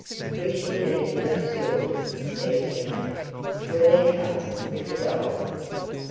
"We shall need those jaws," said he. "Were there cubs with the dhole?"